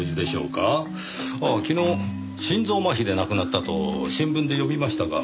ああ昨日心臓麻痺で亡くなったと新聞で読みましたが。